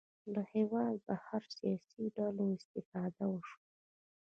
له هېواده بهر سیاسي ډلو استفاده وشوه